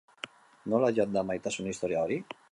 Nola joan da maitasun historia hori?